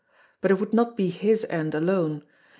But it would not be his end alone.